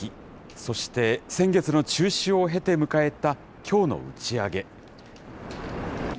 そして先月の中止を経て迎えたきょうの打ち上げ。